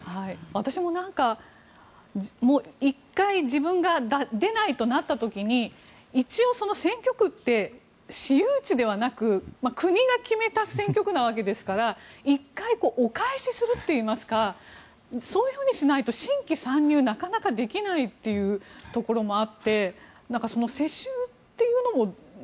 私も１回自分が出ないとなった時に一応、選挙区って私有地ではなく国が決めた選挙区なわけですから１回、お返しするといいますかそういうふうにしないと新規参入なかなかできないというのもあってその世襲というのも。